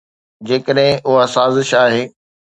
جيڪڏهن اها سازش آهي.